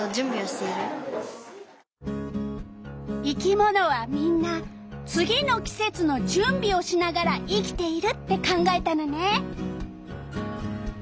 「生き物はみんな次の季節の準備をしながら生きている」って考えたのね。